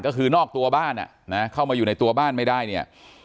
ก็คือนอกตัวบ้านอ่ะนะเข้ามาอยู่ในตัวบ้านไม่ได้เนี่ย